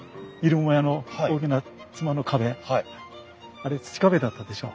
あれ土壁だったでしょ。